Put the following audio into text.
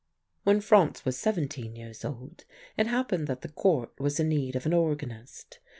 "When Franz was seventeen years old it happened that the Court was in need of an organist.